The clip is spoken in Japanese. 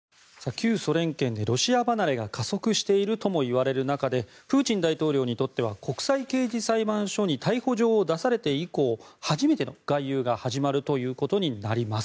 旧ソ連圏でロシア離れが加速しているともいわれる中でプーチン大統領にとっては国際刑事裁判所に逮捕状を出されて以降初めての外遊が始まるということになります。